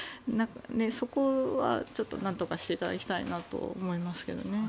そこはちょっとなんとかしていただきたいなと思いますけどね。